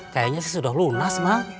kayaknya sih sudah lunas mah